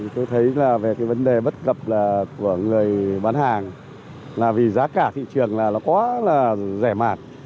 tôi thấy là về cái vấn đề bất cập của người bán hàng là vì giá cả thị trường là nó quá là rẻ mạt